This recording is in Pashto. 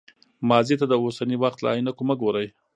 ماضي ته د اوسني وخت له عینکو مه ګورئ.